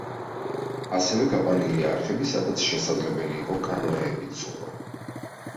ასევე გაყვანილია არხები, სადაც შესაძლებელი იყო კანოეებით ცურვა.